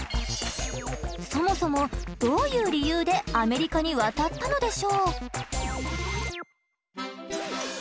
そもそもどういう理由でアメリカに渡ったのでしょう？